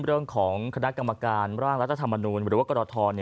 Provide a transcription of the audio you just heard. เรื่องของคณะกรรมการร่างรัฐธรรมนุนหรือว่ากรท